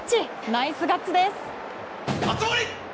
ナイスガッツです！